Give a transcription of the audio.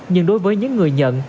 nhưng đối với những người nhận